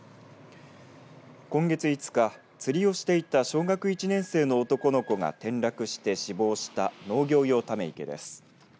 今月５日釣りをしていた小学１年生の男の子が転落して死亡した農業用ため池です。